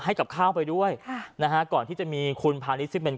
ให้กับข้าวไปด้วยก่อนที่จะมีคุณพระนิสิเมนต์